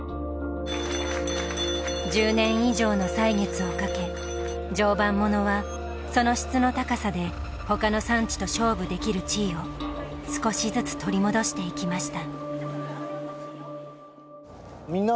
１０年以上の歳月をかけ常磐ものはその質の高さで他の産地と勝負できる地位を少しずつ取り戻していきました。